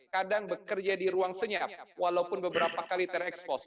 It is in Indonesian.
kadang bekerja di ruang senyap walaupun beberapa kali terekspos